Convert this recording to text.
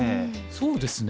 そうですね。